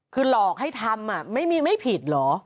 คือหลอกให้ทำไม่ผิดเหรอ